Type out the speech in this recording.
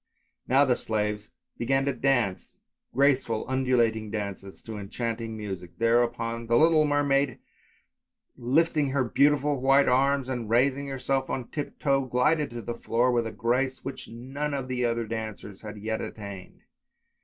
" Now the slaves began to dance, graceful undulating dances to enchanting music; there upon the little mermaid lifting her beautiful white arms and raising herself on tiptoe glided on the floor with a grace which none of the other dancers had yet attained.